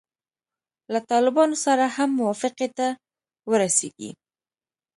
له طالبانو سره هم موافقې ته ورسیږي.